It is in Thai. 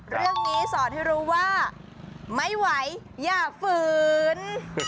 เรื่องนี้สอนให้รู้ว่าไม่ไหวอย่าฝืน